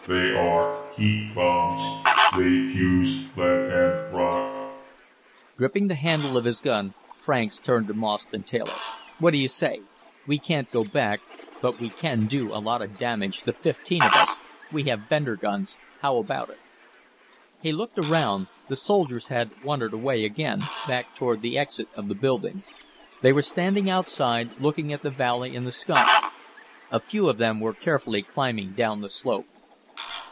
They are heat bombs. They fuse lead and rock." Gripping the handle of his gun, Franks turned to Moss and Taylor. "What do you say? We can't go back, but we can do a lot of damage, the fifteen of us. We have Bender guns. How about it?" He looked around. The soldiers had wandered away again, back toward the exit of the building. They were standing outside, looking at the valley and the sky. A few of them were carefully climbing down the slope.